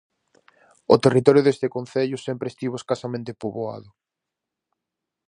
O territorio deste concello sempre estivo escasamente poboado.